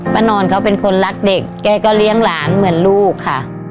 นอนเขาเป็นคนรักเด็กแกก็เลี้ยงหลานเหมือนลูกค่ะ